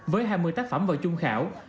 với hai mươi tác phẩm vào chung khảo